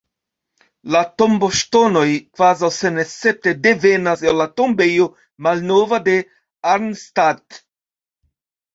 La tomboŝtonoj kvazaŭ senescepte devenas el la Tombejo malnova de Arnstadt.